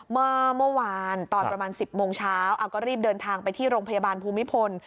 เมื่อวานตอนประมาณ๑๐โมงเช้าเอาก็รีบเดินทางไปที่โรงพยาบาลภูมิพล